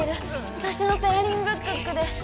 わたしの「ペラリンブックック」で！